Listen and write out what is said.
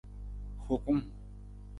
Hokung.